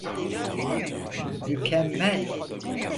Mükemmel!